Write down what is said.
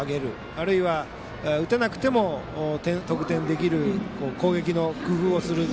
あるいは打てなくても得点できるそんなような攻撃の工夫をする。